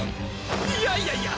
いやいやいや！